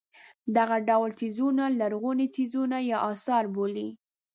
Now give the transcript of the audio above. دغه ډول څیزونه لرغوني څیزونه یا اثار بولي.